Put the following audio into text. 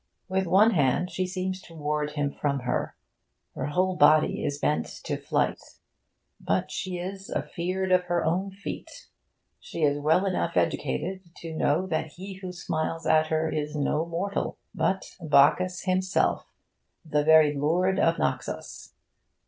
With one hand she seems to ward him from her. Her whole body is bent to flight, but she is 'affear'd of her own feet.' She is well enough educated to know that he who smiles at her is no mortal, but Bacchus himself, the very lord of Naxos.